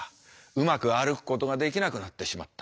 うまく歩くことができなくなってしまった。